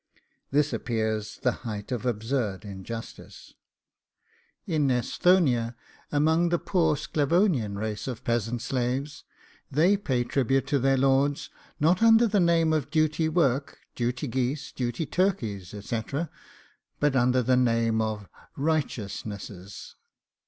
This appears the height of absurd injustice. In Esthonia, amongst the poor Sclavonian race of peasant slaves, they pay tributes to their lords, not under the name of duty work, duty geese, duty turkeys, etc., but under the name of RIGHTEOUSNESSES.